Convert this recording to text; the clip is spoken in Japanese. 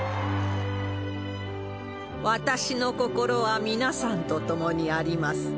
私の心は皆さんと共にあります。